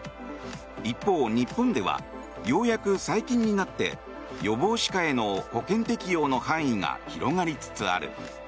一方、日本ではようやく最近になって予防歯科への保険適用の範囲が広がりつつある。